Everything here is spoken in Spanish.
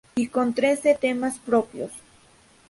Y con trece temas propios.